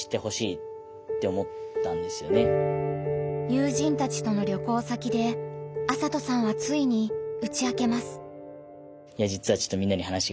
友人たちとの旅行先で麻斗さんはついに打ち明けます。